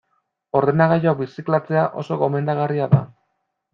Ordenagailuak birziklatzea oso gomendagarria da.